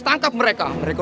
yang akan membuat mereka